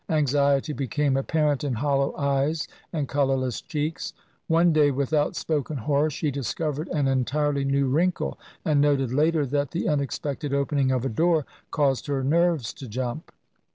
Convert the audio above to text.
Anxiety became apparent in hollow eyes and colourless cheeks. One day, with outspoken horror, she discovered an entirely new wrinkle, and noted later that the unexpected opening of a door caused her nerves to jump.